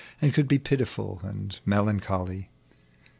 And could be pitiful and melancholy.